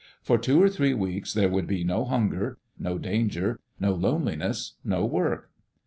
For two or three weeks there would be no hunger, no danger, no loneliness, no work.